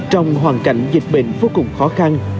trong hoàn cảnh dịch bệnh vô cùng khó khăn